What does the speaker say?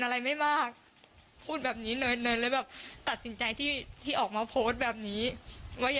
หรือหรือหรือ